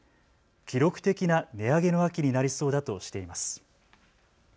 記録的な値上げの秋になりそうだとしています。